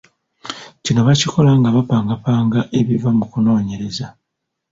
Kino bakikola nga bapangapanga ebiva mu kunoonyereza.